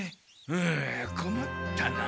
うんこまったな。